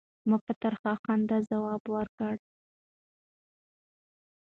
ما په ترخه خندا ځواب ورکړ.